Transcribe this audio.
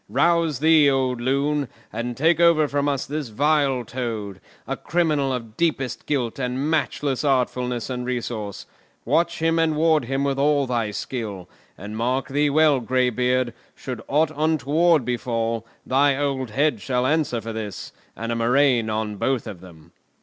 "Rouse thee, old loon, and take over from us this vile Toad, a criminal of deepest guilt and matchless artfulness and resource. Watch and ward him with all thy skill; and mark thee well, greybeard, should aught untoward befall, thy old head shall answer for his—and a murrain on both of them!"